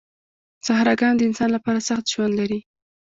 صحراګان د انسان لپاره سخت ژوند لري.